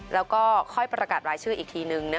แล้วก็ค่อยประกาศรายชื่ออีกทีนึง